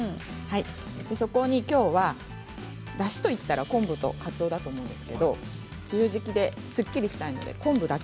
そこに、きょうはだしといったら、昆布とかつおだと思うんですけれど梅雨時期ですっきりしたいので昆布だけ。